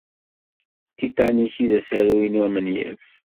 D Titanic i d asaru-inu amenyaf.